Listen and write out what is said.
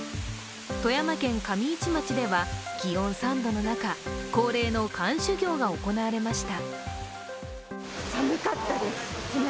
富山県上市町では気温３度の中、恒例の寒修行が行われました。